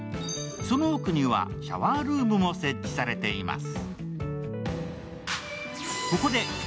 その奥にはシャワールームも設置されています。